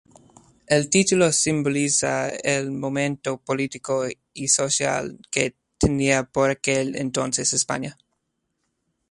El título simboliza el momento político y social que tenía por aquel entonces España.